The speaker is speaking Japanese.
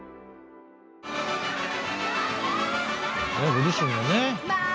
ご自身のね。